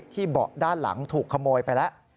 เบาะด้านหลังถูกขโมยไปแล้ว